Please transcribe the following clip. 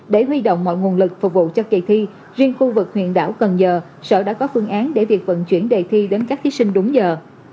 để huy động mọi nguồn lực phục vụ cho kỳ thi riêng khu vực huyện đảo cần giờ sở đã có phương án để việc vận chuyển đề thi đến các thí sinh đúng giờ